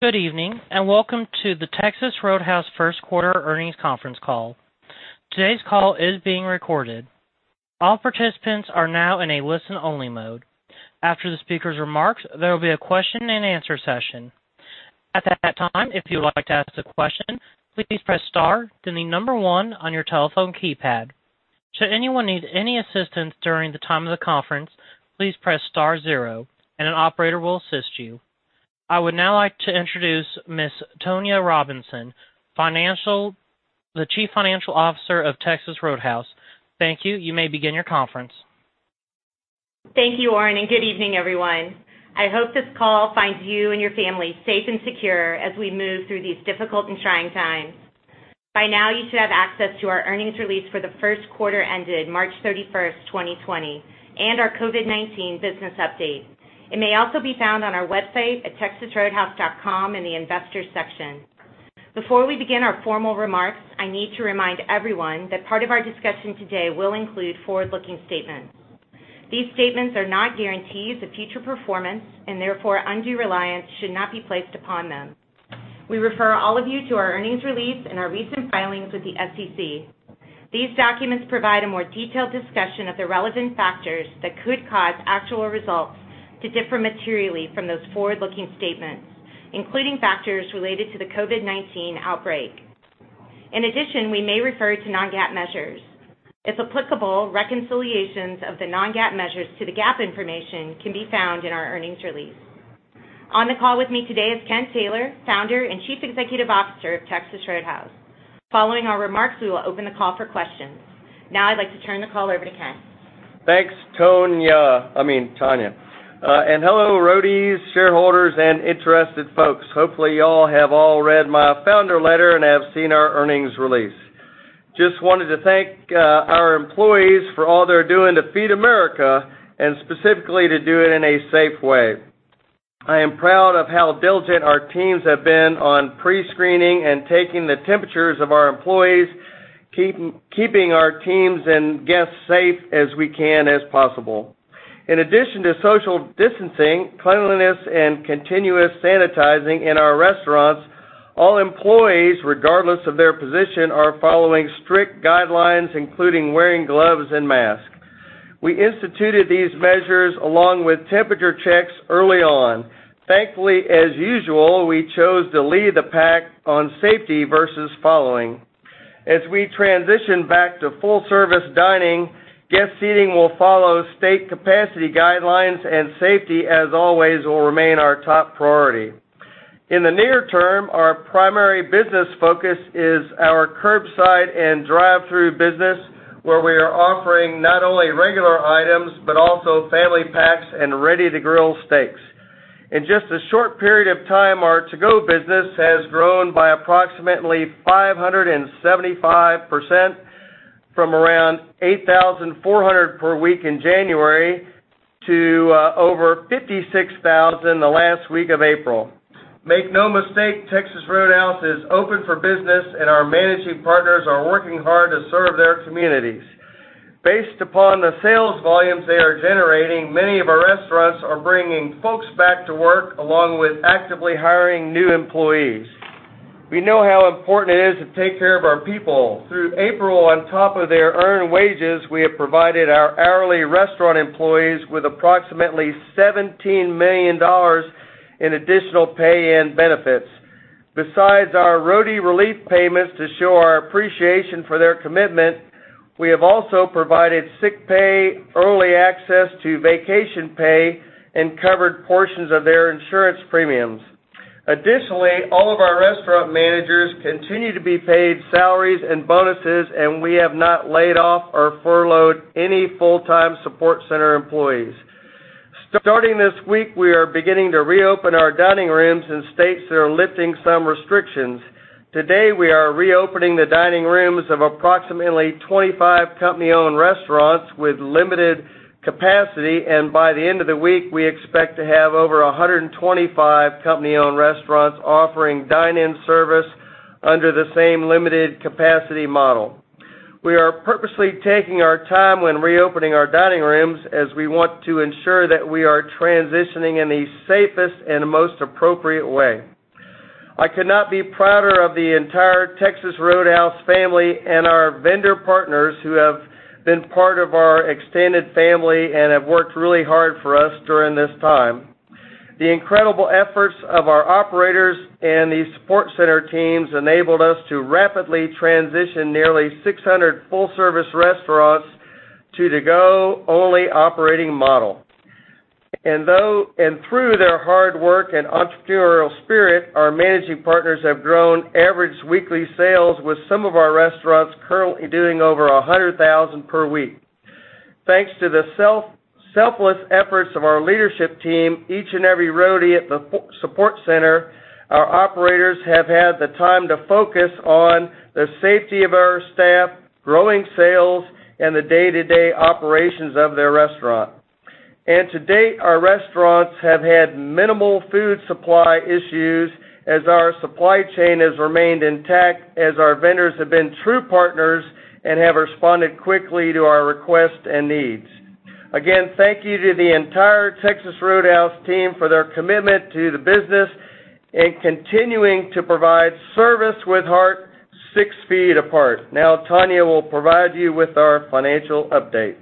Good evening, and welcome to the Texas Roadhouse First Quarter Earnings Conference Call. Today's call is being recorded. All participants are now in a listen-only mode. After the speaker's remarks, there will be a question-and-answer session. At that time, if you would like to ask a question, please press star then the number one on your telephone keypad. Should anyone need any assistance during the time of the conference, please press star zero and an operator will assist you. I would now like to introduce Ms. Tonya Robinson, the Chief Financial Officer of Texas Roadhouse. Thank you. You may begin your conference. Thank you, Oren. Good evening, everyone. I hope this call finds you and your family safe and secure as we move through these difficult and trying times. By now, you should have access to our earnings release for the first quarter ended March 31st, 2020, and our COVID-19 business update. It may also be found on our website at texasroadhouse.com in the Investors section. Before we begin our formal remarks, I need to remind everyone that part of our discussion today will include forward-looking statements. These statements are not guarantees of future performance, and therefore undue reliance should not be placed upon them. We refer all of you to our earnings release and our recent filings with the SEC. These documents provide a more detailed discussion of the relevant factors that could cause actual results to differ materially from those forward-looking statements, including factors related to the COVID-19 outbreak. We may refer to non-GAAP measures. Reconciliations of the non-GAAP measures to the GAAP information can be found in our earnings release. On the call with me today is Kent Taylor, founder and Chief Executive Officer of Texas Roadhouse. Following our remarks, we will open the call for questions. I'd like to turn the call over to Kent. Thanks, Tonya. Hello, Roadies, shareholders, and interested folks. Hopefully, you all have all read my founder letter and have seen our earnings release. Just wanted to thank our employees for all they're doing to feed America and specifically to do it in a safe way. I am proud of how diligent our teams have been on pre-screening and taking the temperatures of our employees, keeping our teams and guests safe as we can as possible. In addition to social distancing, cleanliness, and continuous sanitizing in our restaurants, all employees, regardless of their position, are following strict guidelines, including wearing gloves and masks. We instituted these measures along with temperature checks early on. Thankfully, as usual, we chose to lead the pack on safety versus following. As we transition back to full-service dining, guest seating will follow state capacity guidelines, and safety, as always, will remain our top priority. In the near term, our primary business focus is our curbside and drive-through business, where we are offering not only regular items but also Family Packs and Ready-to-Grill Steaks. In just a short period of time, our to-go business has grown by approximately 575% from around $8,400 per week in January to over $56,000 the last week of April. Make no mistake, Texas Roadhouse is open for business, and our managing partners are working hard to serve their communities. Based upon the sales volumes they are generating, many of our restaurants are bringing folks back to work along with actively hiring new employees. We know how important it is to take care of our people. Through April, on top of their earned wages, we have provided our hourly restaurant employees with approximately $17 million in additional pay and benefits. Besides our Roadie relief payments to show our appreciation for their commitment, we have also provided sick pay, early access to vacation pay, and covered portions of their insurance premiums. Additionally, all of our restaurant managers continue to be paid salaries and bonuses, and we have not laid off or furloughed any full-time support center employees. Starting this week, we are beginning to reopen our dining rooms in states that are lifting some restrictions. Today, we are reopening the dining rooms of approximately 25 company-owned restaurants with limited capacity, and by the end of the week, we expect to have over 125 company-owned restaurants offering dine-in service under the same limited capacity model. We are purposely taking our time when reopening our dining rooms, as we want to ensure that we are transitioning in the safest and most appropriate way. I could not be prouder of the entire Texas Roadhouse family and our vendor partners who have been part of our extended family and have worked really hard for us during this time. The incredible efforts of our operators and the support center teams enabled us to rapidly transition nearly 600 full-service restaurants to to-go only operating model. Through their hard work and entrepreneurial spirit, our managing partners have grown average weekly sales with some of our restaurants currently doing over $100,000 per week. Thanks to the selfless efforts of our leadership team, each and every Roadie at the support center, our operators have had the time to focus on the safety of our staff, growing sales, and the day-to-day operations of their restaurant. To date, our restaurants have had minimal food supply issues as our supply chain has remained intact as our vendors have been true partners and have responded quickly to our requests and needs. Again, thank you to the entire Texas Roadhouse team for their commitment to the business and continuing to provide service with heart six feet apart. Tonya will provide you with our financial update.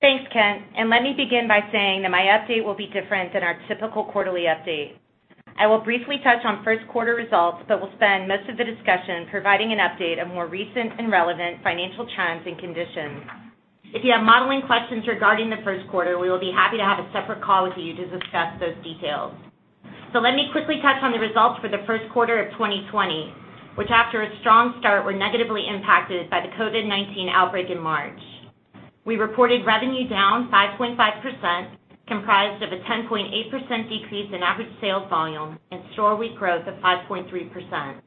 Thanks, Kent, and let me begin by saying that my update will be different than our typical quarterly update. I will briefly touch on first quarter results, but will spend most of the discussion providing an update of more recent and relevant financial trends and conditions. If you have modeling questions regarding the first quarter, we will be happy to have a separate call with you to discuss those details. Let me quickly touch on the results for the first quarter of 2020, which after a strong start, were negatively impacted by the COVID-19 outbreak in March. We reported revenue down 5.5%, comprised of a 10.8% decrease in average sales volume and store week growth of 5.3%.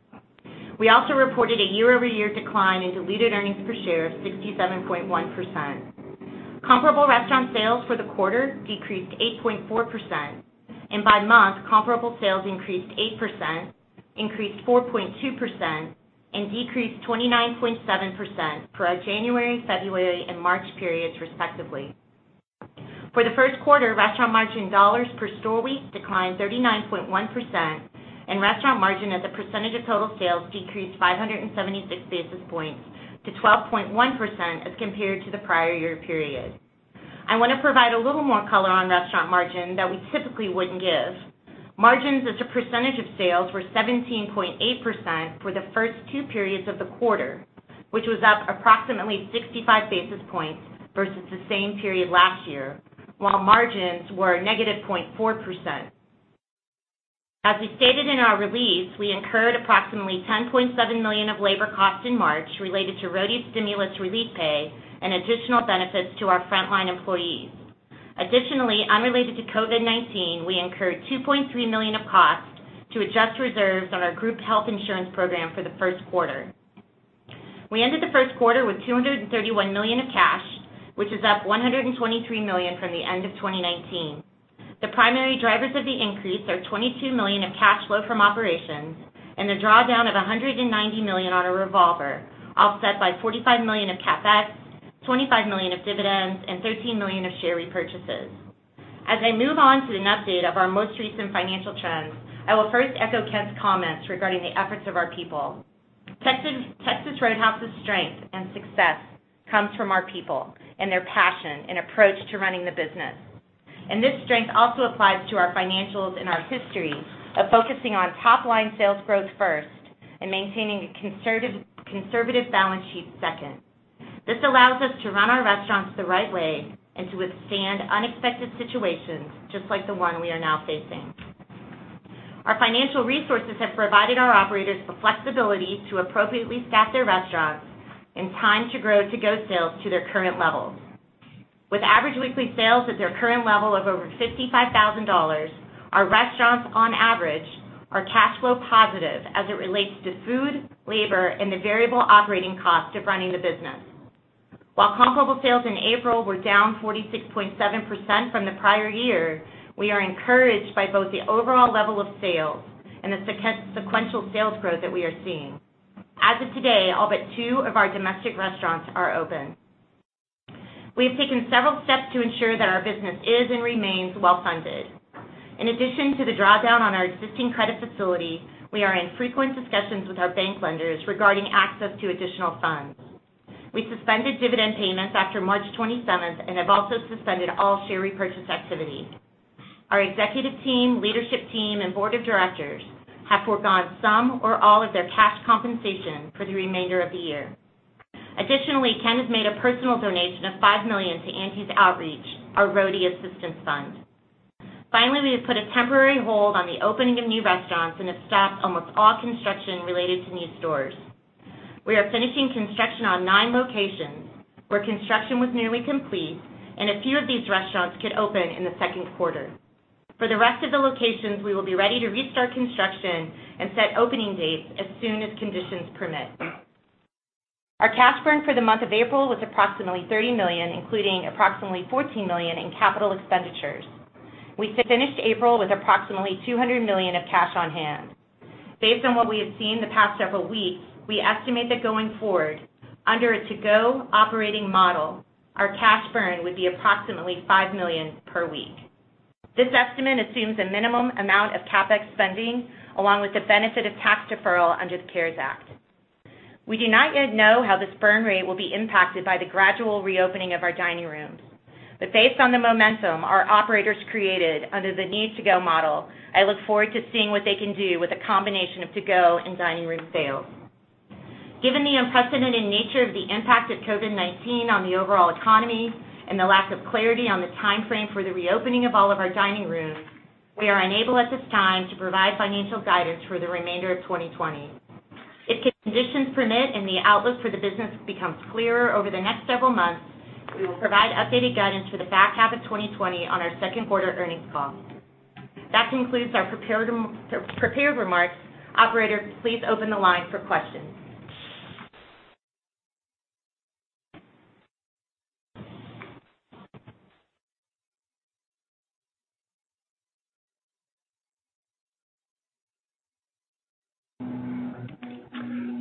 We also reported a year-over-year decline in diluted earnings per share of 67.1%. Comparable restaurant sales for the quarter decreased 8.4%. By month, comparable sales increased 8%, increased 4.2%, and decreased 29.7% for our January, February, and March periods respectively. For the first quarter, restaurant margin dollars per store week declined 39.1%. Restaurant margin as a percentage of total sales decreased 576 basis points to 12.1% as compared to the prior year period. I want to provide a little more color on restaurant margin that we typically wouldn't give. Margins as a percentage of sales were 17.8% for the first two periods of the quarter, which was up approximately 65 basis points versus the same period last year, while margins were negative 0.4%. As we stated in our release, we incurred approximately $10.7 million of labor costs in March related to Roadie stimulus relief pay and additional benefits to our frontline employees. Additionally, unrelated to COVID-19, we incurred $2.3 million of costs to adjust reserves on our group health insurance program for the first quarter. We ended the first quarter with $231 million of cash, which is up $123 million from the end of 2019. The primary drivers of the increase are $22 million of cash flow from operations and a drawdown of $190 million on a revolver, offset by $45 million of CapEx, $25 million of dividends, and $13 million of share repurchases. As I move on to an update of our most recent financial trends, I will first echo Kent's comments regarding the efforts of our people. Texas Roadhouse's strength and success comes from our people and their passion and approach to running the business. This strength also applies to our financials and our history of focusing on top-line sales growth first and maintaining a conservative balance sheet second. This allows us to run our restaurants the right way and to withstand unexpected situations, just like the one we are now facing. Our financial resources have provided our operators the flexibility to appropriately staff their restaurants and time to grow to-go sales to their current levels. With average weekly sales at their current level of over $55,000, our restaurants, on average, are cash flow positive as it relates to food, labor, and the variable operating costs of running the business. While comparable sales in April were down 46.7% from the prior year, we are encouraged by both the overall level of sales and the sequential sales growth that we are seeing. As of today, all but two of our domestic restaurants are open. We have taken several steps to ensure that our business is and remains well-funded. In addition to the drawdown on our existing credit facility, we are in frequent discussions with our bank lenders regarding access to additional funds. We suspended dividend payments after March 27th and have also suspended all share repurchase activity. Our executive team, leadership team, and board of directors have forgone some or all of their cash compensation for the remainder of the year. Additionally, Kent has made a personal donation of $5 million to Andy's Outreach, our Roadie assistance fund. Finally, we have put a temporary hold on the opening of new restaurants and have stopped almost all construction related to new stores. We are finishing construction on nine locations where construction was nearly complete, and a few of these restaurants could open in the second quarter. For the rest of the locations, we will be ready to restart construction and set opening dates as soon as conditions permit. Our cash burn for the month of April was approximately $30 million, including approximately $14 million in capital expenditures. We finished April with approximately $200 million of cash on hand. Based on what we have seen the past several weeks, we estimate that going forward, under a to-go operating model, our cash burn would be approximately $5 million per week. This estimate assumes a minimum amount of CapEx spending, along with the benefit of tax deferral under the CARES Act. We do not yet know how this burn rate will be impacted by the gradual reopening of our dining rooms, but based on the momentum our operators created under the need to-go model, I look forward to seeing what they can do with a combination of to-go and dining room sales. Given the unprecedented nature of the impact of COVID-19 on the overall economy and the lack of clarity on the timeframe for the reopening of all of our dining rooms, we are unable at this time to provide financial guidance for the remainder of 2020. If conditions permit and the outlook for the business becomes clearer over the next several months, we will provide updated guidance for the back half of 2020 on our second quarter earnings call. That concludes our prepared remarks. Operator, please open the line for questions.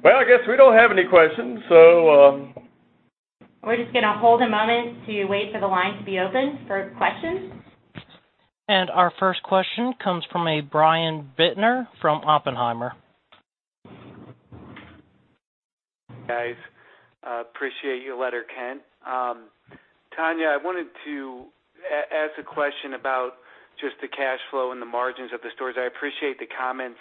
Yeah, I guess we don't have any questions. We're just going to hold a moment to wait for the line to be open for questions. Our first question comes from a Brian Bittner from Oppenheimer. Guys, appreciate your letter, Kent. Tonya, I wanted to ask a question about just the cash flow and the margins of the stores. I appreciate the comments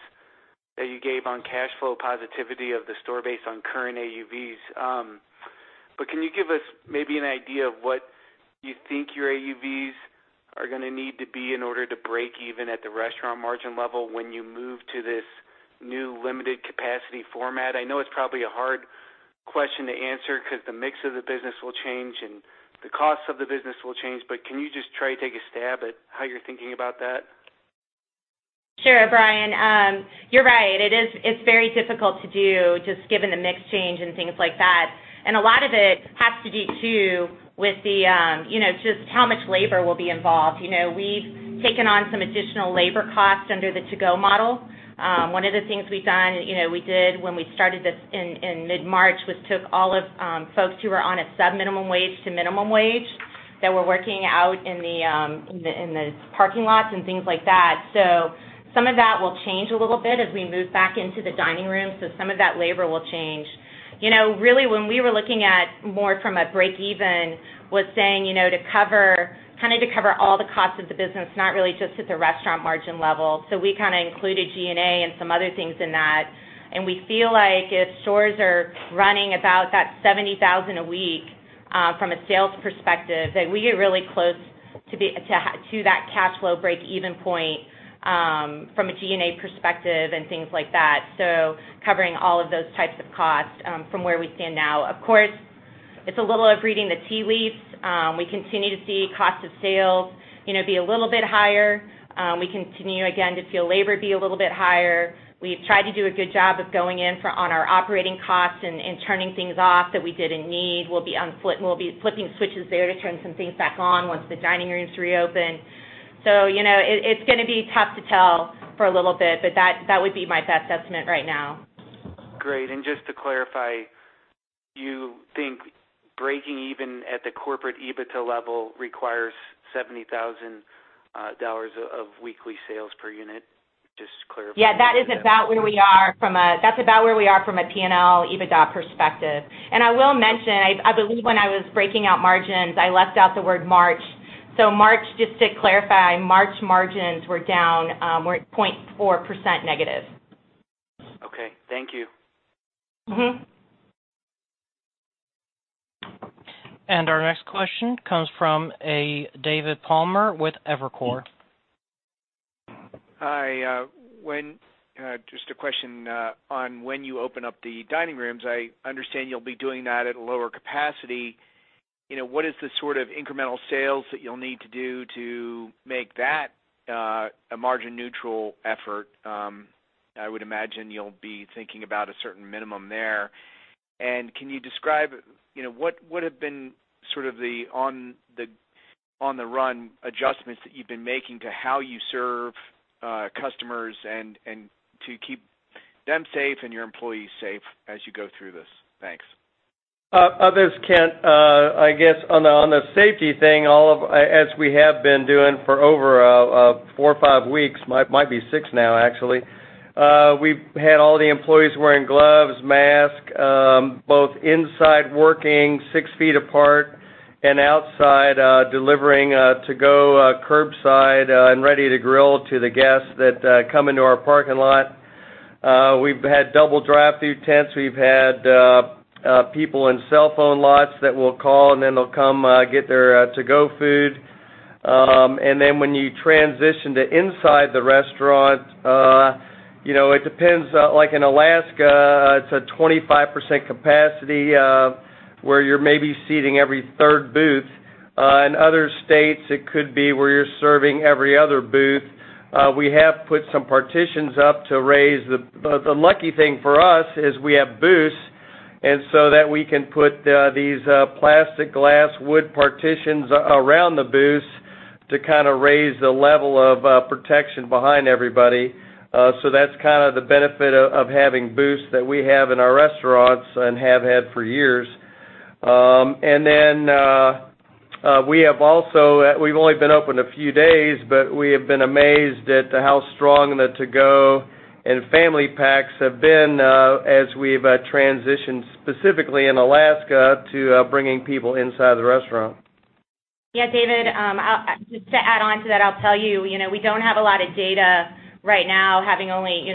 that you gave on cash flow positivity of the store based on current AUVs. Can you give us maybe an idea of what you think your AUVs are going to need to be in order to break even at the restaurant margin level when you move to this new limited capacity format? I know it's probably a hard question to answer because the mix of the business will change, and the cost of the business will change, but can you just try to take a stab at how you're thinking about that? Sure, Brian. You're right. It's very difficult to do, just given the mix change and things like that. A lot of it has to do too with just how much labor will be involved. We've taken on some additional labor costs under the to-go model. One of the things we did when we started this in mid-March was took all of folks who were on a sub-minimum wage to minimum wage that were working out in the parking lots and things like that. Some of that will change a little bit as we move back into the dining room. Some of that labor will change. Really, when we were looking at more from a break even, was saying, to cover all the costs of the business, not really just at the restaurant margin level. We included G&A and some other things in that. We feel like if stores are running about that $70,000 a week, from a sales perspective, that we get really close to that cash flow break-even point, from a G&A perspective and things like that. Covering all of those types of costs, from where we stand now. Of course, it's a little of reading the tea leaves. We continue to see cost of sales be a little bit higher. We continue, again, to feel labor be a little bit higher. We've tried to do a good job of going in on our operating costs and turning things off that we didn't need. We'll be flipping switches there to turn some things back on once the dining rooms reopen. It's going to be tough to tell for a little bit, but that would be my best estimate right now. Great. Just to clarify, you think breaking even at the corporate EBITDA level requires $70,000 of weekly sales per unit? Just clarifying. Yeah, that's about where we are from a P&L, EBITDA perspective. I will mention, I believe when I was breaking out margins, I left out the word March. March, just to clarify, March margins were down, were 0.4% negative. Okay. Thank you. Our next question comes from a David Palmer with Evercore. Hi. Just a question on when you open up the dining rooms, I understand you'll be doing that at a lower capacity. What is the sort of incremental sales that you'll need to do to make that a margin-neutral effort? I would imagine you'll be thinking about a certain minimum there. Can you describe what have been sort of the on-the-run adjustments that you've been making to how you serve customers and to keep them safe and your employees safe as you go through this? Thanks. This is Kent. I guess, on the safety thing, as we have been doing for over four or five weeks, might be six now actually, we've had all the employees wearing gloves, mask, both inside working six feet apart and outside, delivering to-go, curbside, and Ready-to-Grill to the guests that come into our parking lot. We've had double drive-through tents. We've had people in cell phone lots that we'll call, and then they'll come get their to-go food. When you transition to inside the restaurant, it depends. Like in Alaska, it's a 25% capacity, where you're maybe seating every third booth. In other states, it could be where you're serving every other booth. We have put some partitions up to raise the The lucky thing for us is we have booths, and so that we can put these plastic glass wood partitions around the booths to kind of raise the level of protection behind everybody. That's kind of the benefit of having booths that we have in our restaurants and have had for years. We've only been open a few days, but we have been amazed at how strong the to-go and Family Packs have been as we've transitioned, specifically in Alaska, to bringing people inside the restaurant. Yeah, David, just to add on to that, I'll tell you, we don't have a lot of data right now having only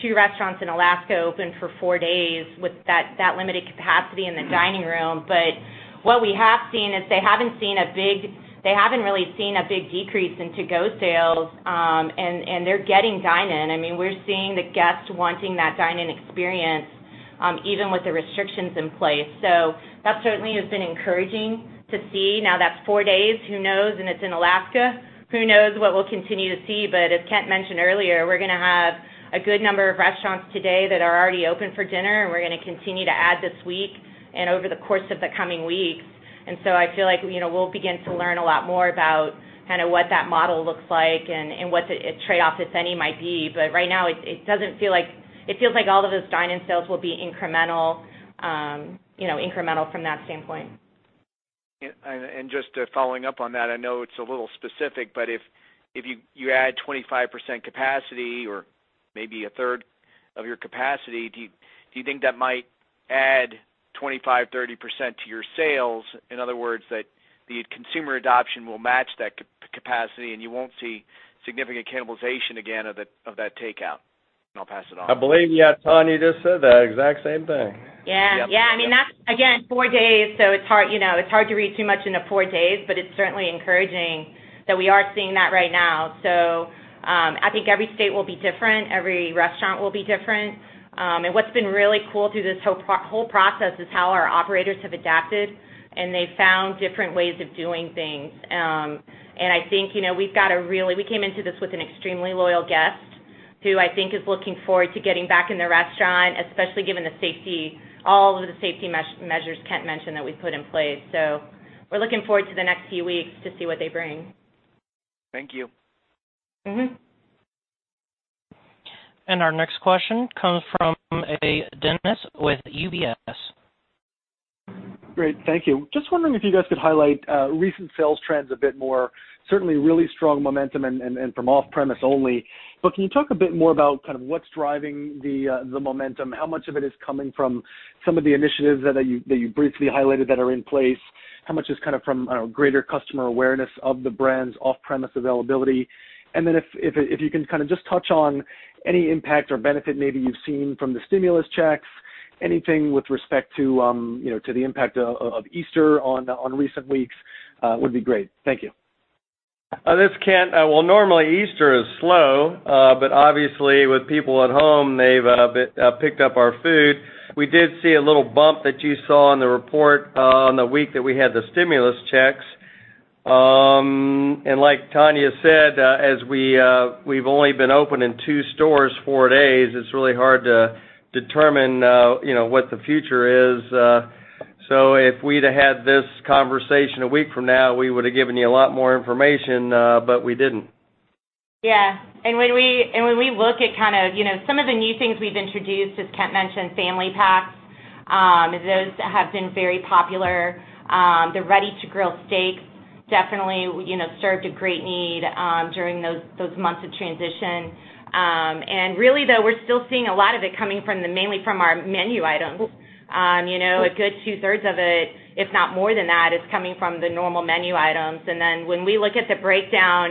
two restaurants in Alaska open for four days with that limited capacity in the dining room. What we have seen is they haven't really seen a big decrease in to-go sales, and they're getting dine in. We're seeing the guests wanting that dine-in experience, even with the restrictions in place. That certainly has been encouraging to see. Now that's four days, who knows, and it's in Alaska. Who knows what we'll continue to see, but as Kent mentioned earlier, we're going to have a good number of restaurants today that are already open for dinner, and we're going to continue to add this week and over the course of the coming weeks. I feel like we'll begin to learn a lot more about what that model looks like and what the trade-off, if any, might be. Right now, it feels like all of those dine-in sales will be incremental from that standpoint. Just following up on that, I know it's a little specific, but if you add 25% capacity or maybe a third of your capacity, do you think that might add 25%, 30% to your sales? In other words, that the consumer adoption will match that capacity, and you won't see significant cannibalization again of that takeout. I'll pass it on. I believe, yeah, Tonya just said that exact same thing. Yeah. I mean, that's, again, four days, so it's hard to read too much into four days, but it's certainly encouraging that we are seeing that right now. I think every state will be different, every restaurant will be different. What's been really cool through this whole process is how our operators have adapted, and they've found different ways of doing things. I think we came into this with an extremely loyal guest who I think is looking forward to getting back in the restaurant, especially given all of the safety measures Kent mentioned that we've put in place. We're looking forward to the next few weeks to see what they bring. Thank you. Our next question comes from Dennis with UBS. Great. Thank you. Just wondering if you guys could highlight recent sales trends a bit more. Certainly really strong momentum and from off-premise only. Can you talk a bit more about what's driving the momentum? How much of it is coming from some of the initiatives that you briefly highlighted that are in place? How much is from greater customer awareness of the brand's off-premise availability? Then if you can just touch on any impact or benefit maybe you've seen from the stimulus checks, anything with respect to the impact of Easter on recent weeks would be great. Thank you. This is Kent. Well, normally Easter is slow, but obviously with people at home, they've picked up our food. We did see a little bump that you saw in the report on the week that we had the stimulus checks. Like Tonya said, as we've only been open in two stores four days, it's really hard to determine what the future is. If we'd have had this conversation a week from now, we would've given you a lot more information, but we didn't. Yeah. When we look at some of the new things we've introduced, as Kent mentioned, Family Packs, those have been very popular. The Ready-to-Grill Steaks definitely served a great need during those months of transition. Really, though, we're still seeing a lot of it coming mainly from our menu items. A good two-thirds of it, if not more than that, is coming from the normal menu items. When we look at the breakdown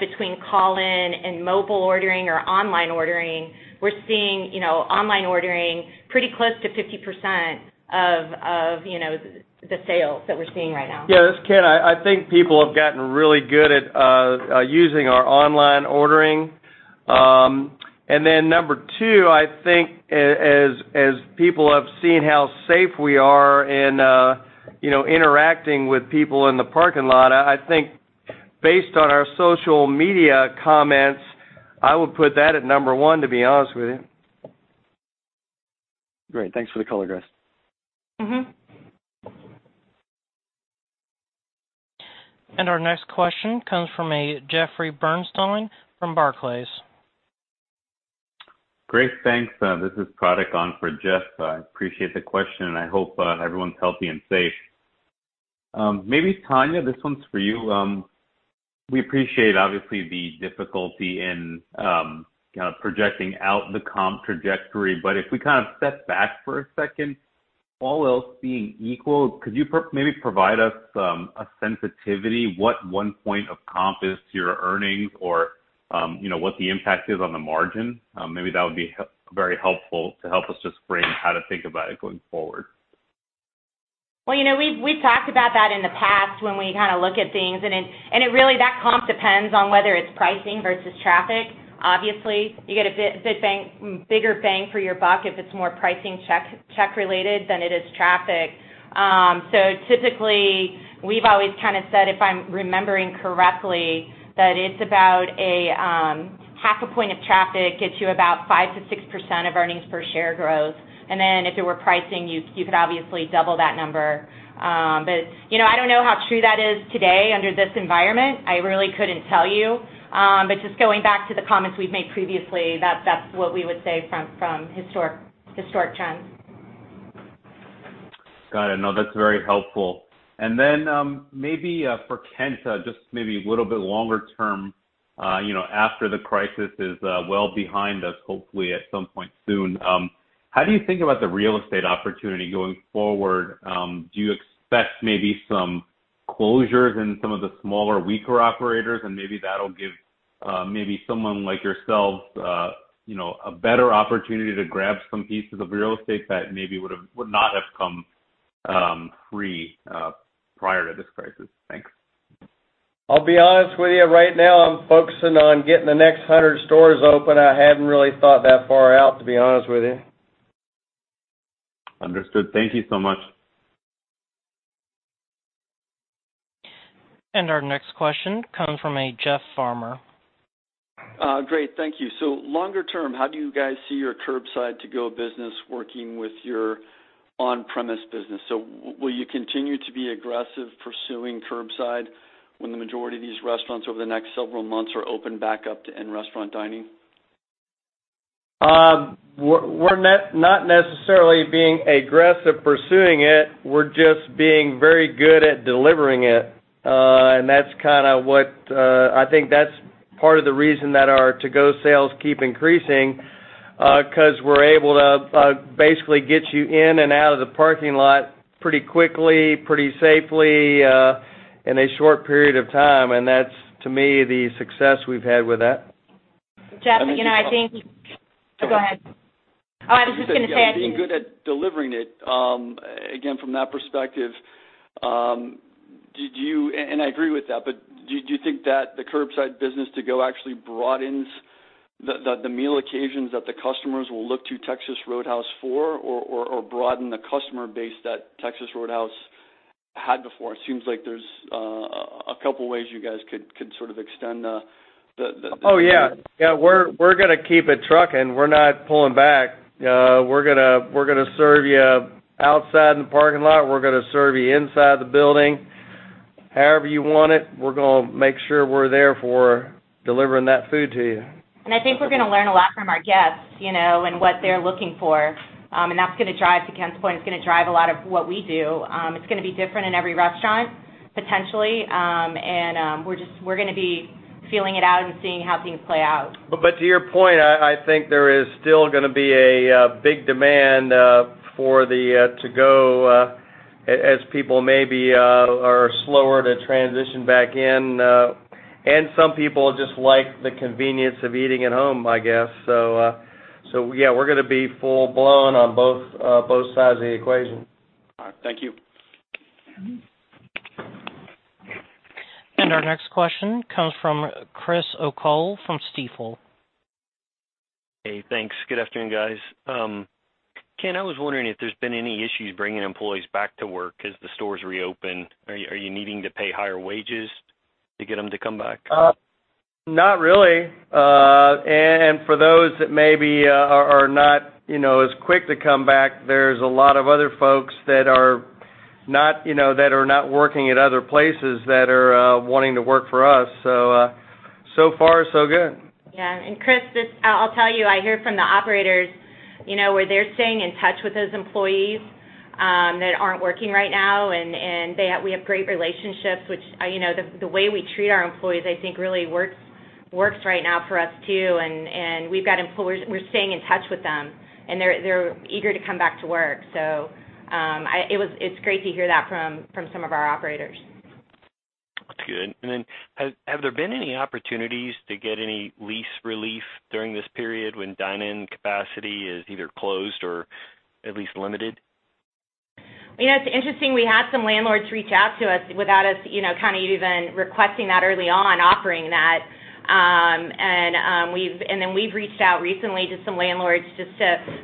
between call-in and mobile ordering or online ordering, we're seeing online ordering pretty close to 50% of the sales that we're seeing right now. Yeah, this is Kent. I think people have gotten really good at using our online ordering. Number two, I think as people have seen how safe we are in interacting with people in the parking lot, I think based on our social media comments, I would put that at number one, to be honest with you. Great. Thanks for the color, guys. Our next question comes from Jeffrey Bernstein from Barclays. Great. Thanks. This is Pratik on for Jeff. I appreciate the question, and I hope everyone's healthy and safe. Maybe Tonya, this one's for you. We appreciate, obviously, the difficulty in projecting out the comp trajectory. If we step back for a second, all else being equal, could you maybe provide us a sensitivity, what one point of comp is to your earnings or what the impact is on the margin? Maybe that would be very helpful to help us just frame how to think about it going forward. Well, we've talked about that in the past when we look at things, really that comp depends on whether it's pricing versus traffic. Obviously, you get a bigger bang for your buck if it's more pricing check related than it is traffic. Typically, we've always said, if I'm remembering correctly, that it's about a half a point of traffic gets you about 5%-6% of earnings per share growth. Then if it were pricing, you could obviously double that number. I don't know how true that is today under this environment. I really couldn't tell you. Just going back to the comments we've made previously, that's what we would say from historic trends. Got it. No, that's very helpful. Then maybe for Kent, just maybe a little bit longer term, after the crisis is well behind us, hopefully at some point soon. How do you think about the real estate opportunity going forward? Do you expect maybe some closures in some of the smaller, weaker operators, and maybe that'll give maybe someone like yourselves a better opportunity to grab some pieces of real estate that maybe would not have come free prior to this crisis? Thanks. I'll be honest with you. Right now, I'm focusing on getting the next 100 stores open. I hadn't really thought that far out, to be honest with you. Understood. Thank you so much. Our next question comes from Jeff Farmer. Great. Thank you. Longer term, how do you guys see your curbside to-go business working with your on-premise business? Will you continue to be aggressive pursuing curbside when the majority of these restaurants over the next several months are open back up to in-restaurant dining? We're not necessarily being aggressive pursuing it. We're just being very good at delivering it. I think that's part of the reason that our to-go sales keep increasing, because we're able to basically get you in and out of the parking lot pretty quickly, pretty safely, in a short period of time. That's, to me, the success we've had with that. Jeff, Go ahead. I was just going to say, Being good at delivering it, again, from that perspective, and I agree with that, but do you think that the curbside business to-go actually broadens the meal occasions that the customers will look to Texas Roadhouse for, or broaden the customer base that Texas Roadhouse had before? Oh, yeah. We're going to keep it trucking. We're not pulling back. We're going to serve you outside in the parking lot. We're going to serve you inside the building. However you want it, we're going to make sure we're there for delivering that food to you. I think we're going to learn a lot from our guests, and what they're looking for. That's going to drive, to Kent's point, it's going to drive a lot of what we do. It's going to be different in every restaurant, potentially. We're going to be feeling it out and seeing how things play out. To your point, I think there is still going to be a big demand for the to-go as people maybe are slower to transition back in. Some people just like the convenience of eating at home, I guess. Yeah, we're going to be full-blown on both sides of the equation. All right. Thank you. Our next question comes from Chris O'Cull from Stifel. Hey, thanks. Good afternoon, guys. Kent, I was wondering if there's been any issues bringing employees back to work as the stores reopen. Are you needing to pay higher wages to get them to come back? Not really. For those that maybe are not as quick to come back, there's a lot of other folks that are not working at other places that are wanting to work for us. So far, so good. Yeah. Chris, I'll tell you, I hear from the operators where they're staying in touch with those employees that aren't working right now, and we have great relationships. The way we treat our employees, I think, really works right now for us, too. We've got employees, and we're staying in touch with them, and they're eager to come back to work. It's great to hear that from some of our operators. That's good. Have there been any opportunities to get any lease relief during this period when dine-in capacity is either closed or at least limited? It's interesting, we had some landlords reach out to us without us even requesting that early on, offering that. We've reached out recently to some landlords just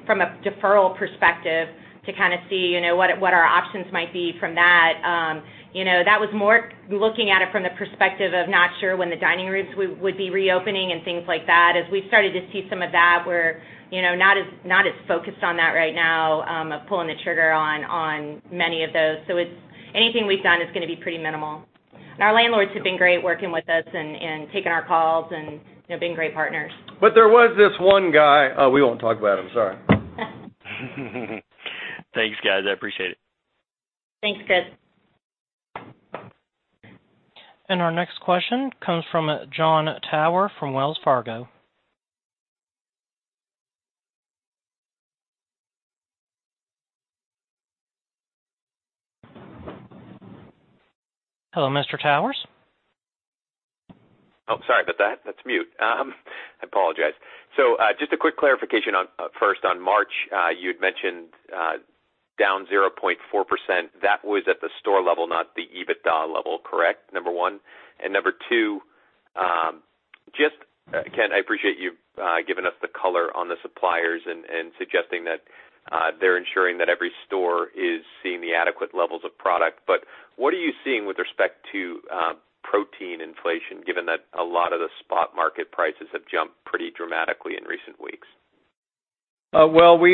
from a deferral perspective to kind of see what our options might be from that. That was more looking at it from the perspective of not sure when the dining rooms would be reopening and things like that. As we've started to see some of that, we're not as focused on that right now, of pulling the trigger on many of those. Anything we've done is going to be pretty minimal. Our landlords have been great working with us and taking our calls and have been great partners. There was this one guy. Oh, we won't talk about him, sorry. Thanks, guys. I appreciate it. Thanks, Chris. Our next question comes from Jon Tower from Wells Fargo. Hello, Mr. Tower? Sorry about that. That's mute. I apologize. Just a quick clarification first. On March, you had mentioned down 0.4%, that was at the store level, not the EBITDA level, correct? number one. number two, Kent, I appreciate you giving us the color on the suppliers and suggesting that they're ensuring that every store is seeing the adequate levels of product. What are you seeing with respect to protein inflation, given that a lot of the spot market prices have jumped pretty dramatically in recent weeks? Well, we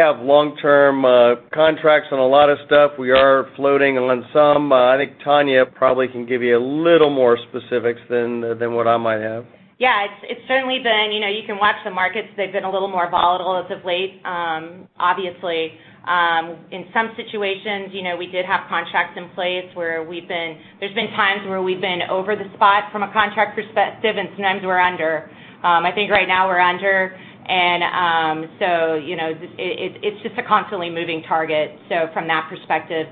have long-term contracts on a lot of stuff. We are floating on some. I think Tonya probably can give you a little more specifics than what I might have. Yeah. It's certainly been, you can watch the markets, they've been a little more volatile as of late. In some situations, we did have contracts in place where there's been times where we've been over the spot from a contract perspective, and sometimes we're under. I think right now we're under. It's just a constantly moving target, so from that perspective.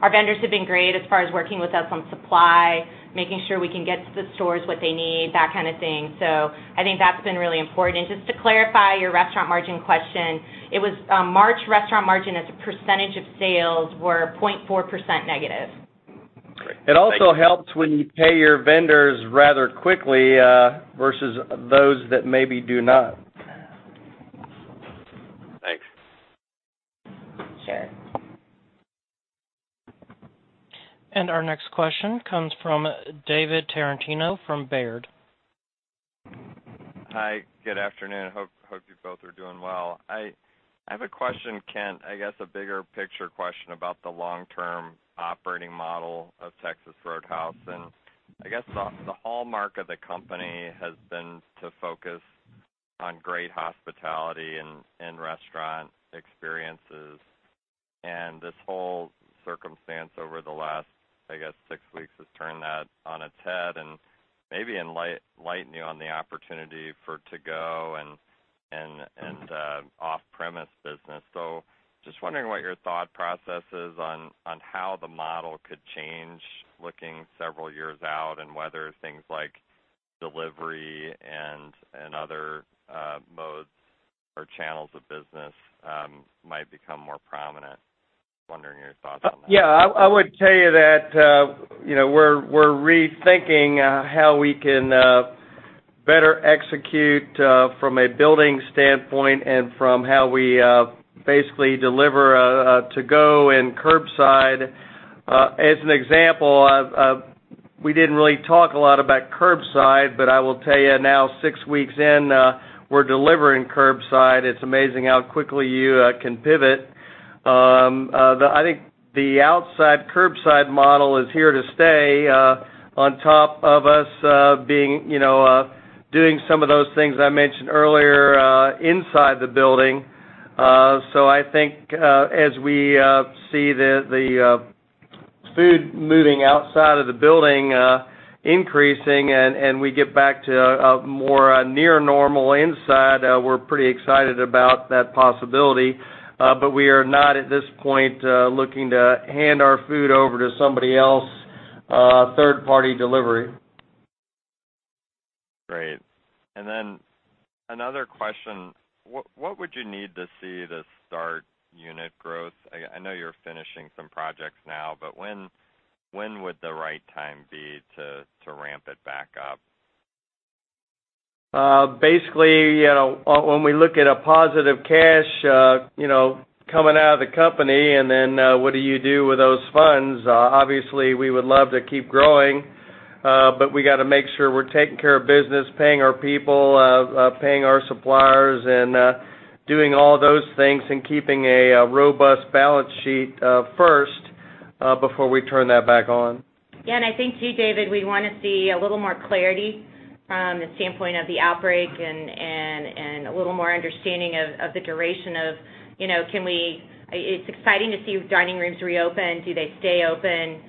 Our vendors have been great as far as working with us on supply, making sure we can get to the stores what they need, that kind of thing. I think that's been really important. Just to clarify your restaurant margin question, March restaurant margin as a percentage of sales were 0.4% negative. Great. It also helps when you pay your vendors rather quickly, versus those that maybe do not. Thanks. Sure. Our next question comes from David Tarantino from Baird. Hi, good afternoon. Hope you both are doing well. I have a question, Kent, I guess a bigger picture question about the long-term operating model of Texas Roadhouse. I guess the hallmark of the company has been to focus on great hospitality and restaurant experiences, and this whole circumstance over the last, I guess, six weeks has turned that on its head and maybe enlightened you on the opportunity for to-go and off-premise business. Just wondering what your thought process is on how the model could change looking several years out, and whether things like delivery and other modes or channels of business might become more prominent. Wondering your thoughts on that. Yeah. I would tell you that we're rethinking how we can better execute from a building standpoint and from how we basically deliver to-go and curbside. As an example, we didn't really talk a lot about curbside, but I will tell you now, six weeks in, we're delivering curbside. It's amazing how quickly you can pivot. I think the outside curbside model is here to stay, on top of us doing some of those things I mentioned earlier inside the building. I think as we see the food moving outside of the building increasing, and we get back to a more near normal inside, we're pretty excited about that possibility. We are not, at this point, looking to hand our food over to somebody else, third-party delivery. Great. Another question. What would you need to see to start unit growth? I know you're finishing some projects now, but when would the right time be to ramp it back up? Basically, when we look at a positive cash coming out of the company, what do you do with those funds? Obviously, we would love to keep growing, we got to make sure we're taking care of business, paying our people, paying our suppliers, and doing all those things, and keeping a robust balance sheet first before we turn that back on. Yeah, I think too, David, we want to see a little more clarity from the standpoint of the outbreak and a little more understanding of the duration of. It's exciting to see dining rooms reopen. Do they stay open?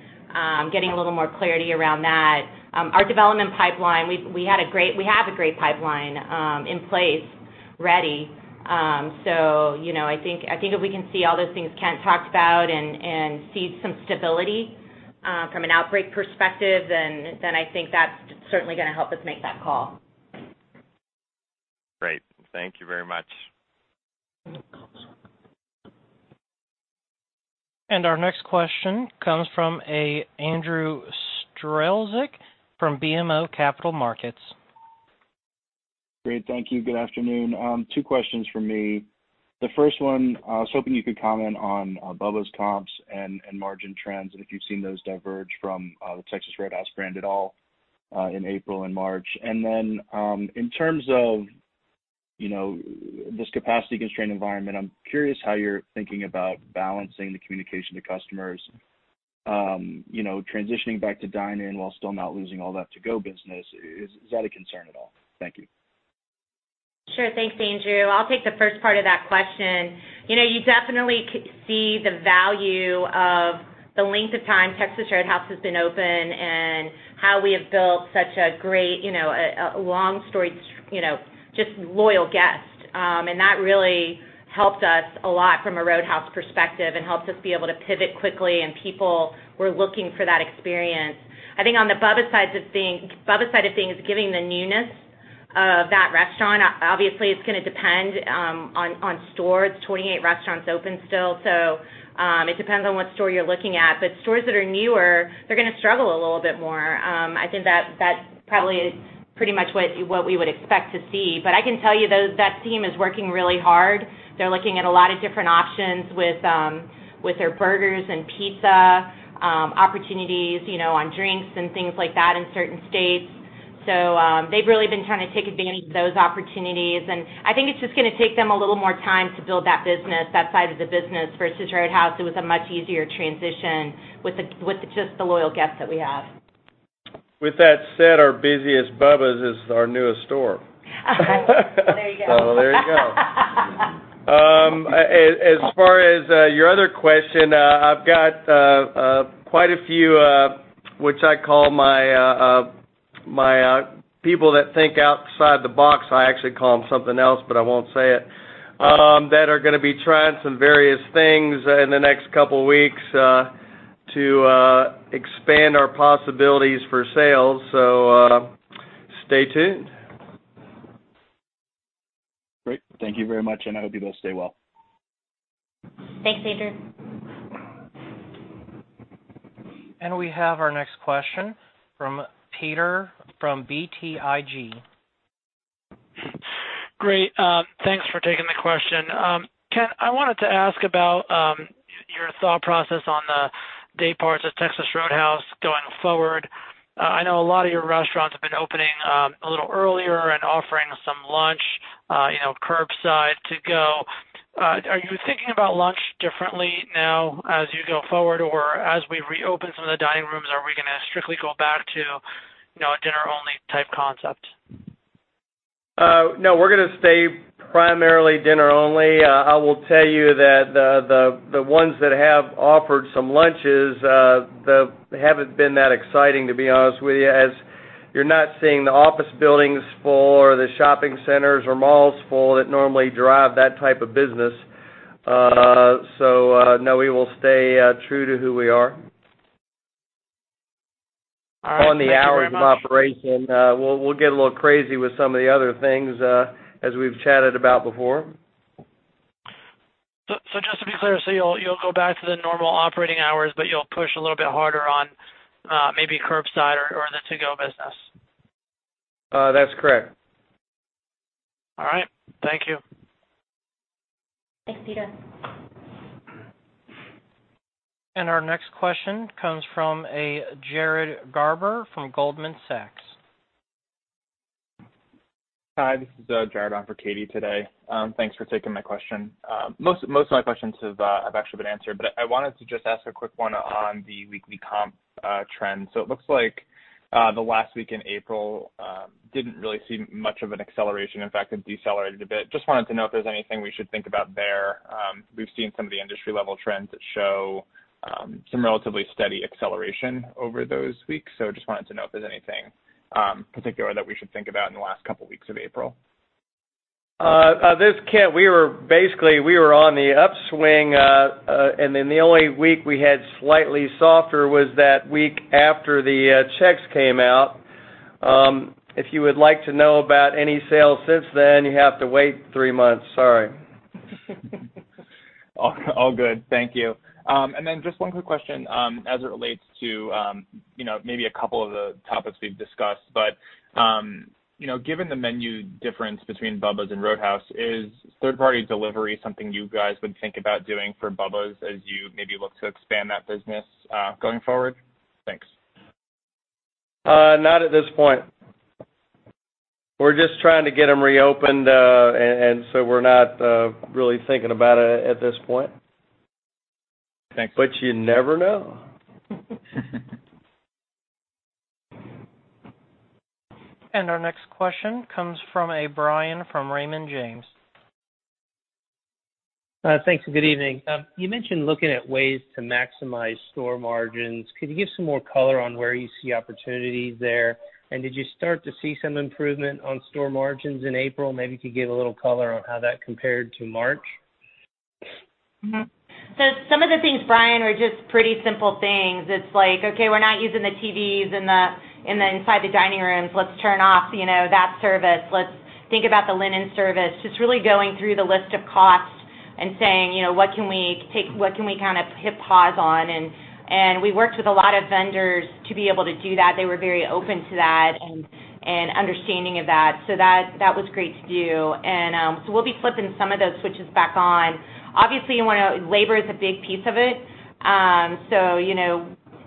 Getting a little more clarity around that. Our development pipeline, we have a great pipeline in place, ready. I think if we can see all those things Kent talked about and see some stability from an outbreak perspective, I think that's certainly going to help us make that call. Great. Thank you very much. Our next question comes from a Andrew Strelzik from BMO Capital Markets. Great. Thank you. Good afternoon. Two questions from me. The first one, I was hoping you could comment on Bubba's comps and margin trends. If you've seen those diverge from the Texas Roadhouse brand at all in April and March. In terms of this capacity-constrained environment, I'm curious how you're thinking about balancing the communication to customers, transitioning back to dine-in while still not losing all that to-go business. Is that a concern at all? Thank you. Sure. Thanks, Andrew. I'll take the first part of that question. You definitely see the value of the length of time Texas Roadhouse has been open and how we have built such a great, long story, just loyal guests. That really helped us a lot from a Roadhouse perspective and helped us be able to pivot quickly, and people were looking for that experience. I think on the Bubba's side of things, given the newness of that restaurant, obviously, it's going to depend on stores. 28 restaurants open still, it depends on what store you're looking at. Stores that are newer, they're going to struggle a little bit more. I think that probably is pretty much what we would expect to see. I can tell you that team is working really hard. They're looking at a lot of different options with their burgers and pizza, opportunities on drinks and things like that in certain states. They've really been trying to take advantage of those opportunities, and I think it's just going to take them a little more time to build that business, that side of the business. For Texas Roadhouse, it was a much easier transition with just the loyal guests that we have. With that said, our busiest Bubba's is our newest store. There you go. There you go. As far as your other question, I've got quite a few, which I call my people that think outside the box, I actually call them something else, but I won't say it, that are going to be trying some various things in the next couple of weeks to expand our possibilities for sales. Stay tuned. Great. Thank you very much, and I hope you both stay well. Thanks, Andrew. We have our next question from Peter from BTIG. Great. Thanks for taking the question. Kent, I wanted to ask about your thought process on the day parts of Texas Roadhouse going forward. I know a lot of your restaurants have been opening a little earlier and offering some lunch, curbside to-go. Are you thinking about lunch differently now as you go forward, or as we reopen some of the dining rooms, are we going to strictly go back to a dinner only type concept? No, we're going to stay primarily dinner only. I will tell you that the ones that have offered some lunches, they haven't been that exciting, to be honest with you, as you're not seeing the office buildings full or the shopping centers or malls full that normally drive that type of business. No, we will stay true to who we are. All right. Thank you very much. On the hours of operation, we'll get a little crazy with some of the other things as we've chatted about before. Just to be clear, so you'll go back to the normal operating hours, but you'll push a little bit harder on maybe curbside or the to-go business? That's correct. All right. Thank you. Thanks, Peter. Our next question comes from a Jared Garber from Goldman Sachs. Hi, this is Jared on for Katie today. Thanks for taking my question. Most of my questions have actually been answered, I wanted to just ask a quick one on the weekly comp trend. It looks like the last week in April didn't really see much of an acceleration. In fact, it decelerated a bit. I just wanted to know if there's anything we should think about there. We've seen some of the industry level trends that show some relatively steady acceleration over those weeks. I just wanted to know if there's anything particular that we should think about in the last couple of weeks of April. This is Kent. Basically, we were on the upswing, and then the only week we had slightly softer was that week after the checks came out. If you would like to know about any sales since then, you have to wait three months. Sorry. All good. Thank you. Then just one quick question as it relates to maybe a couple of the topics we've discussed. Given the menu difference between Bubba's and Roadhouse, is third-party delivery something you guys would think about doing for Bubba's as you maybe look to expand that business going forward? Thanks. Not at this point. We're just trying to get them reopened, and so we're not really thinking about it at this point. Thanks. You never know. Our next question comes from a Brian from Raymond James. Thanks, good evening. You mentioned looking at ways to maximize store margins. Could you give some more color on where you see opportunities there? Did you start to see some improvement on store margins in April? Maybe you could give a little color on how that compared to March. Some of the things, Brian, are just pretty simple things. It's like, okay, we're not using the TVs inside the dining rooms. Let's turn off that service. Let's think about the linen service. Just really going through the list of costs and saying, "What can we kind of hit pause on?" We worked with a lot of vendors to be able to do that. They were very open to that and understanding of that. That was great to do. We'll be flipping some of those switches back on. Obviously, labor is a big piece of it.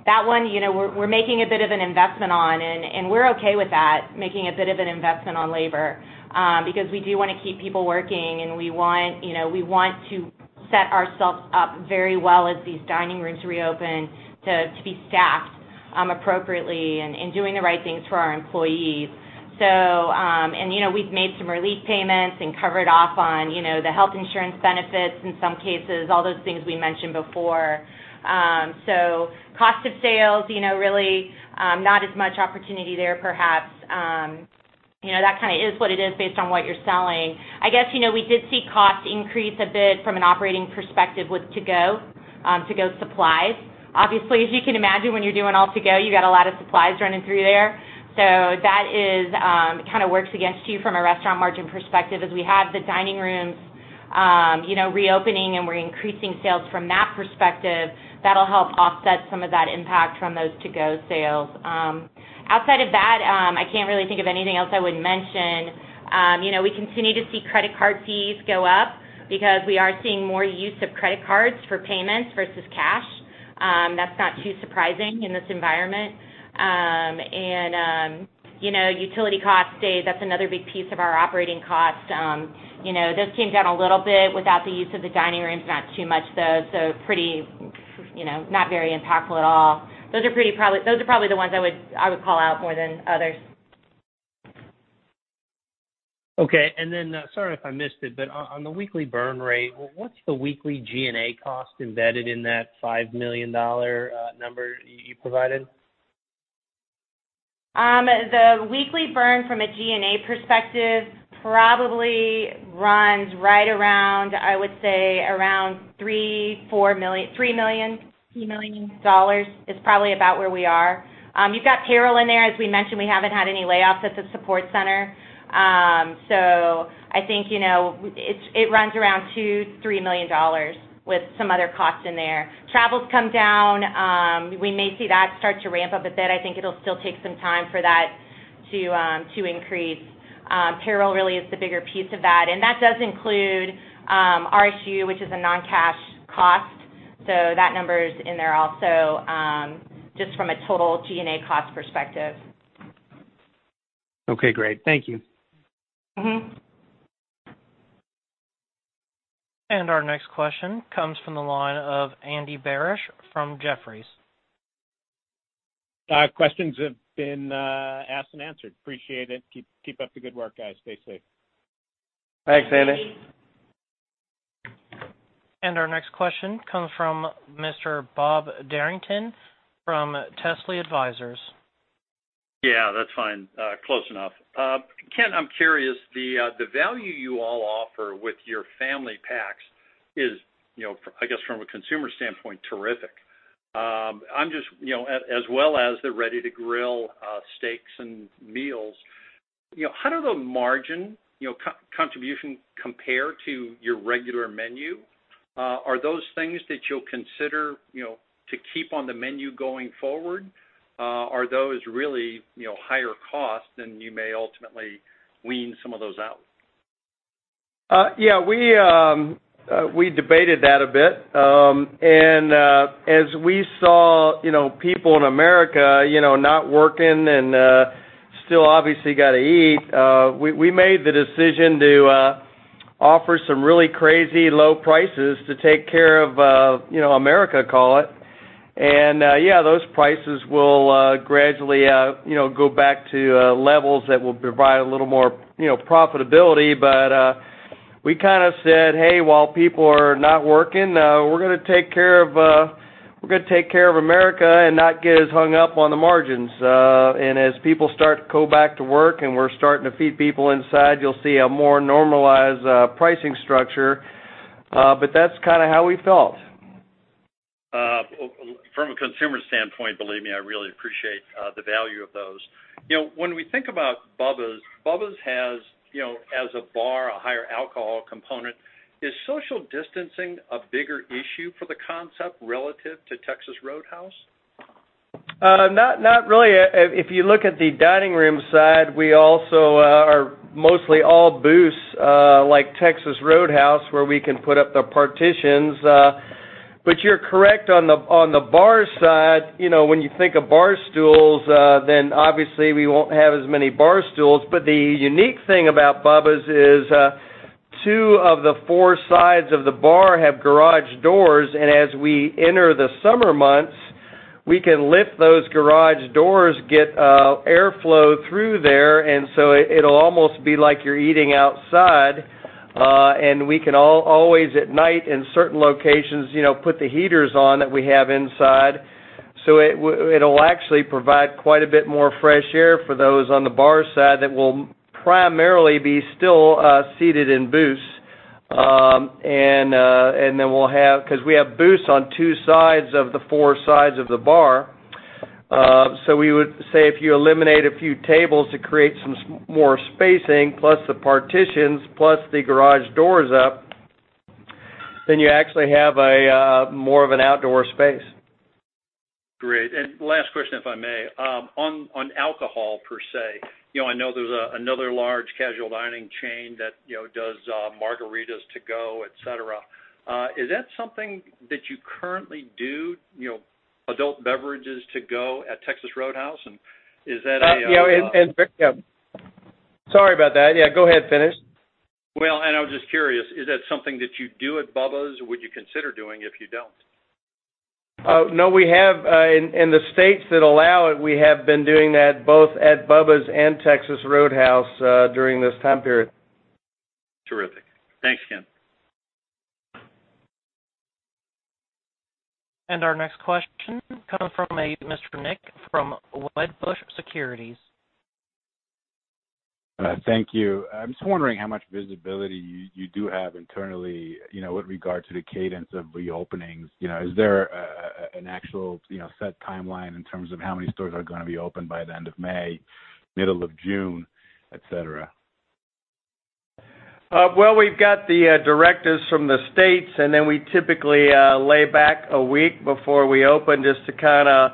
That one, we're making a bit of an investment on, and we're okay with that, making a bit of an investment on labor, because we do want to keep people working, and we want to set ourselves up very well as these dining rooms reopen to be staffed appropriately and doing the right things for our employees. We've made some relief payments and covered off on the health insurance benefits in some cases, all those things we mentioned before. Cost of sales, really, not as much opportunity there, perhaps. That kind of is what it is based on what you're selling. I guess, we did see cost increase a bit from an operating perspective with to-go supplies. Obviously, as you can imagine, when you're doing all to-go, you got a lot of supplies running through there. That kind of works against you from a restaurant margin perspective. As we have the dining rooms reopening and we're increasing sales from that perspective, that'll help offset some of that impact from those to-go sales. Outside of that, I can't really think of anything else I would mention. We continue to see credit card fees go up because we are seeing more use of credit cards for payments versus cash. That's not too surprising in this environment. Utility costs, that's another big piece of our operating cost. Those came down a little bit without the use of the dining rooms, not too much, though, so not very impactful at all. Those are probably the ones I would call out more than others. Okay. Sorry if I missed it, but on the weekly burn rate, what's the weekly G&A cost embedded in that $5 million number you provided? The weekly burn from a G&A perspective probably runs right around, I would say, around $3 million is probably about where we are. You've got payroll in there. As we mentioned, we haven't had any layoffs at the support center. I think it runs around $2 million, $3 million with some other costs in there. Travel's come down. We may see that start to ramp up a bit. I think it'll still take some time for that to increase. Payroll really is the bigger piece of that, and that does include RSU, which is a non-cash cost. That number is in there also, just from a total G&A cost perspective. Okay, great. Thank you. Our next question comes from the line of Andy Barish from Jefferies. My questions have been asked and answered. Appreciate it. Keep up the good work, guys. Stay safe. Thanks, Andy. Our next question comes from Mr. Bob Derrington from Telsey Advisory Group. That's fine. Close enough. Kent, I'm curious, the value you all offer with your Family Packs is, I guess, from a consumer standpoint, terrific. As well as the Ready-to-Grill Steaks and meals. How do the margin contribution compare to your regular menu? Are those things that you'll consider to keep on the menu going forward? Are those really higher cost, and you may ultimately wean some of those out? Yeah, we debated that a bit. As we saw people in America not working and still obviously got to eat, we made the decision to offer some really crazy low prices to take care of America, call it. Yeah, those prices will gradually go back to levels that will provide a little more profitability. We kind of said, "Hey, while people are not working, we're going to take care of America and not get as hung up on the margins." As people start to go back to work and we're starting to feed people inside, you'll see a more normalized pricing structure. That's kind of how we felt. From a consumer standpoint, believe me, I really appreciate the value of those. When we think about Bubba's has, as a bar, a higher alcohol component. Is social distancing a bigger issue for the concept relative to Texas Roadhouse? Not really. If you look at the dining room side, we also are mostly all booths, like Texas Roadhouse, where we can put up the partitions. You're correct on the bar side. When you think of bar stools, then obviously we won't have as many bar stools. The unique thing about Bubba's is two of the four sides of the bar have garage doors, as we enter the summer months, we can lift those garage doors, get airflow through there, it'll almost be like you're eating outside. We can all always, at night, in certain locations, put the heaters on that we have inside. It'll actually provide quite a bit more fresh air for those on the bar side that will primarily be still seated in booths. Because we have booths on two sides of the four sides of the bar. We would say if you eliminate a few tables to create some more spacing, plus the partitions, plus the garage doors up, you actually have more of an outdoor space. Great. Last question, if I may. On alcohol, per se, I know there's another large casual dining chain that does margaritas to go, et cetera. Is that something that you currently do, adult beverages to go at Texas Roadhouse? Yeah. Sorry about that. Yeah, go ahead. Finish. Well, I was just curious, is that something that you do at Bubba's? Would you consider doing if you don't? No, in the states that allow it, we have been doing that both at Bubba's and Texas Roadhouse during this time period. Terrific. Thanks, Kent. Our next question comes from a Mr. Nick from Wedbush Securities. Thank you. I'm just wondering how much visibility you do have internally with regard to the cadence of reopenings. Is there an actual set timeline in terms of how many stores are going to be open by the end of May, middle of June, et cetera? Well, we've got the directives from the states, and then we typically lay back a week before we open just to kind of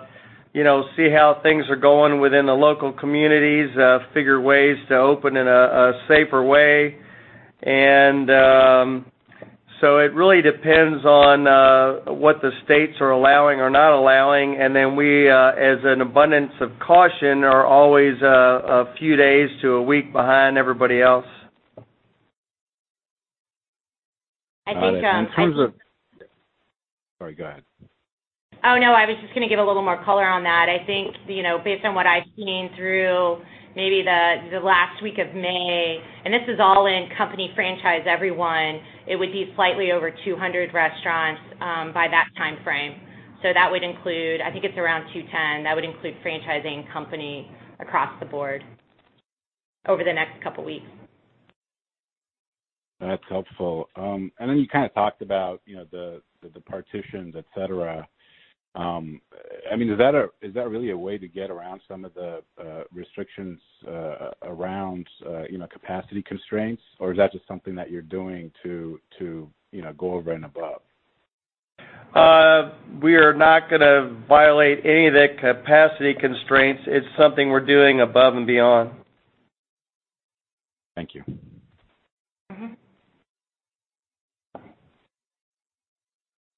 see how things are going within the local communities, figure ways to open in a safer way. It really depends on what the states are allowing or not allowing. We, as an abundance of caution, are always a few days to a week behind everybody else. I think All right. Sorry, go ahead. Oh, no, I was just going to give a little more color on that. I think, based on what I've seen through maybe the last week of May, and this is all in company, franchise, everyone, it would be slightly over 200 restaurants by that timeframe. I think it's around 210. That would include franchising, company, across the board over the next couple of weeks. That's helpful. Then you talked about the partitions, et cetera. Is that really a way to get around some of the restrictions around capacity constraints, or is that just something that you're doing to go over and above? We are not going to violate any of the capacity constraints. It's something we're doing above and beyond. Thank you.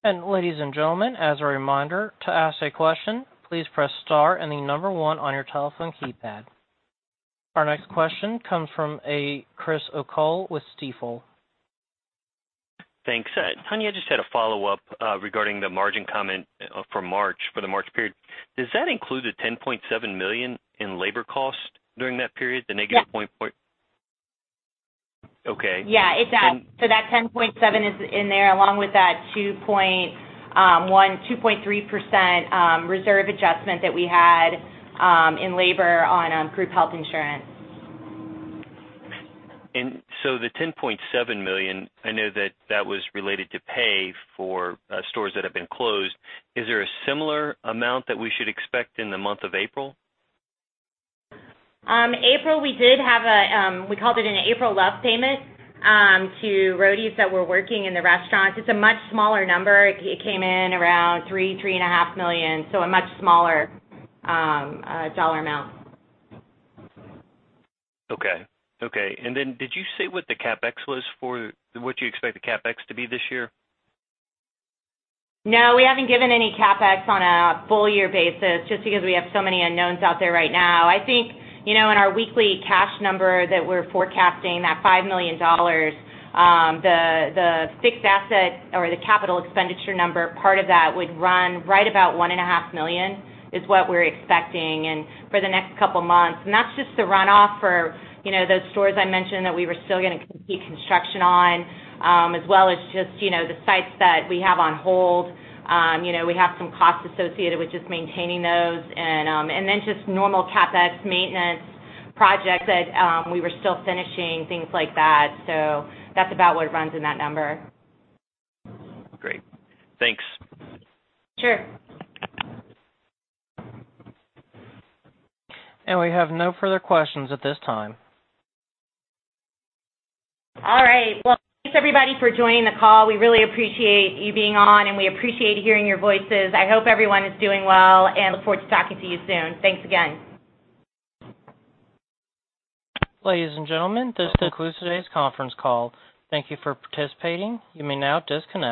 Ladies and gentlemen, as a reminder, to ask a question, please press star and the number one on your telephone keypad. Our next question comes from a Chris O'Cull with Stifel. Thanks. Tonya, I just had a follow-up regarding the margin comment for March, for the March period. Does that include the $10.7 million in labor cost during that period? Yes. Okay. Yeah. That 10.7 is in there along with that 2.3% reserve adjustment that we had in labor on group health insurance. The $10.7 million, I know that that was related to pay for stores that have been closed. Is there a similar amount that we should expect in the month of April? April, we did have a, we called it an April love payment to Roadies that were working in the restaurants. It's a much smaller number. It came in around $3 million to $3.5 million. A much smaller dollar amount. Okay. Then did you say what you expect the CapEx to be this year? No, we haven't given any CapEx on a full year basis, just because we have so many unknowns out there right now. I think, in our weekly cash number that we're forecasting, that $5 million, the fixed asset or the capital expenditure number, part of that would run right about $1.5 million, is what we're expecting. For the next couple of months. That's just the runoff for those stores I mentioned that we were still going to complete construction on, as well as just the sites that we have on hold. We have some costs associated with just maintaining those and then just normal CapEx maintenance projects that we were still finishing, things like that. That's about what runs in that number. Great. Thanks. Sure. We have no further questions at this time. All right. Well, thanks everybody for joining the call. We really appreciate you being on, and we appreciate hearing your voices. I hope everyone is doing well and look forward to talking to you soon. Thanks again. Ladies and gentlemen, this concludes today's conference call. Thank you for participating. You may now disconnect.